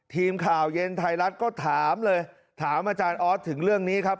ทีมข่าวเย็นไทยรัฐก็ถามเลยถามอาจารย์ออสถึงเรื่องนี้ครับ